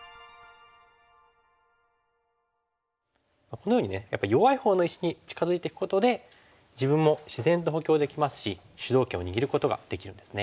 このようにねやっぱり弱いほうの石に近づいていくことで自分も自然と補強できますし主導権を握ることができるんですね。